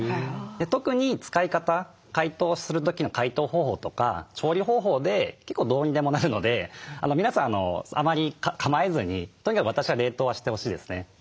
特に使い方解凍する時の解凍方法とか調理方法で結構どうにでもなるので皆さんあまり構えずにとにかく私は冷凍はしてほしいですね。